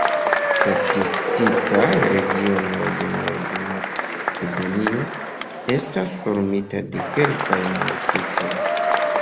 Statistikaj regionoj de Nord-Makedonio estas formita de kelkaj municipoj.